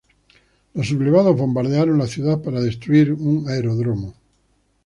Los sublevados bombardearon la ciudad para destruir un aeródromo.